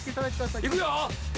いくよ。